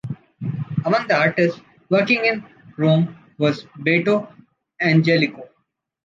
Among the artists working in Rome was Beato Angelico.